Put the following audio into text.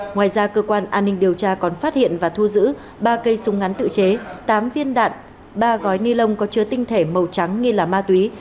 ngoài ra cơ quan an ninh điều tra còn phát hiện và thu giữ ba cây súng ngắn tự chế tám viên đạn ba gói ni lông có chứa tinh thể màu trắng nghi là ma túy